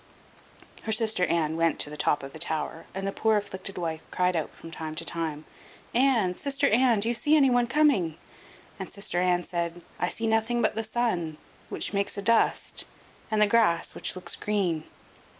Her sister Anne went up upon the top of the tower, and the poor afflicted wife cried out from time to time: "Anne, sister Anne, do you see anyone coming?" And sister Anne said: "I see nothing but the sun, which makes a dust, and the grass, which looks green."